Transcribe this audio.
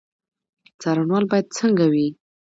څارنوال باید څنګه وي؟